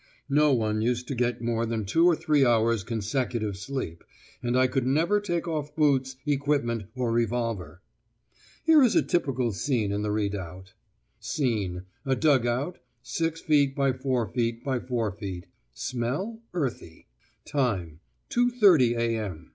No one used to get more than two or three hours' consecutive sleep, and I could never take off boots, equipment, or revolver. Here is a typical scene in the redoubt. Scene. A dug out, 6´ × 4´ × 4´: smell, earthy. Time. 2.30 a.m.